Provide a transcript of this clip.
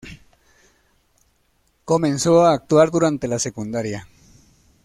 Comenzó a actuar durante la secundaria.